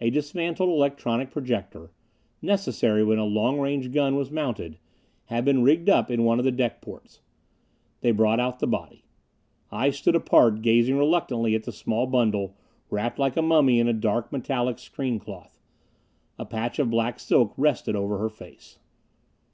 A dismantled electronic projector necessary when a long range gun was mounted had been rigged up in one of the deck ports. They brought out the body. I stood apart, gazing reluctantly at the small bundle, wrapped like a mummy in a dark metallic screen cloth. A patch of black silk rested over her face.